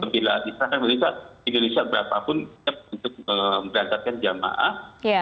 bila di indonesia berapapun untuk berangkatkan jamaah